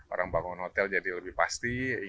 orang bangun hotel jadi lebih pasti